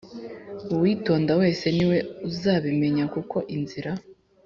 Uwitonda wese ni we uzabimenya kuko inzira